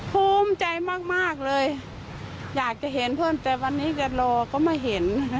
ภูมิใจมากเลยอยากจะเห็นเพื่อนแต่วันนี้จะรอก็ไม่เห็น